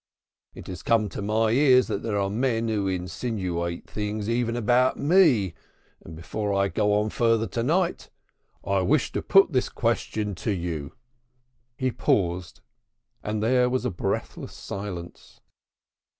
It has come to my ears that there are men who insinuate things even about me and before I go on further to night I wish to put this question to you." He paused and there was a breathless silence.